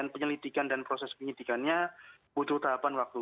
penyelidikan dan proses penyidikannya butuh tahapan waktu